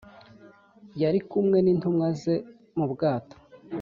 yari kumwe n intumwa ze mu bwato.